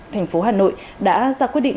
thành phố hà nội đã ra quyết định